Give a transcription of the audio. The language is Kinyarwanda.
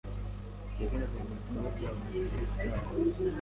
yagaragaye mu bikorwa by'abo mu gihe cyabo